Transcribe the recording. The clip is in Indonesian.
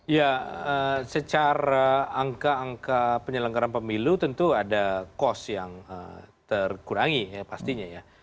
ya secara angka angka penyelenggaraan pemilu tentu ada cost yang terkurangi ya pastinya ya